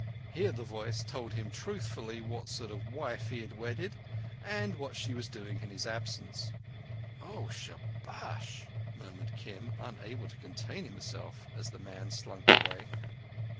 Here the voice told him truthfully what sort of wife he had wedded, and what she was doing in his absence. "Oh, shabash!" murmured Kim, unable to contain himself, as the man slunk away.